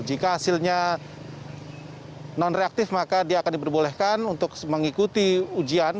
jika hasilnya non reaktif maka dia akan diperbolehkan untuk mengikuti ujian